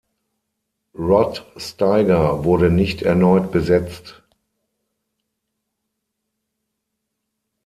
Rod Steiger wurde nicht erneut besetzt.